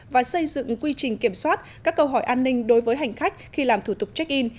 và xây dựng quy trình kiểm soát các câu hỏi an ninh đối với hành khách khi làm thủ tục check in